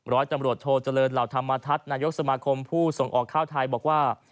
ร้อยตำรวจโทเจริญเหล่าธรรมทัศน์นายกสมาคมผู้ส่งออกข้าวไทยบอกว่า